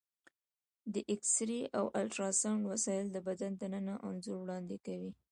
د ایکسرې او الټراساونډ وسایل د بدن دننه انځور وړاندې کوي.